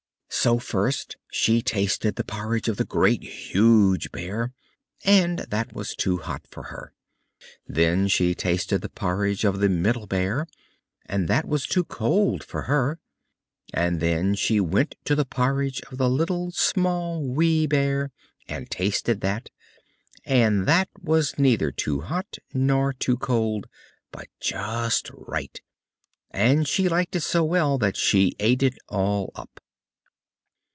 So first she tasted the porridge of the Great, Huge Bear, and that was too hot for her. And then she tasted the porridge of the Middle Bear, and that was too cold for her. And then she went to the porridge of the Little, Small, Wee Bear, and tasted that; and that was neither too hot nor too cold, but just right, and she liked it so well that she ate it all up.